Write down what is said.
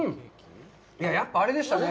やっぱ、あれでしたね。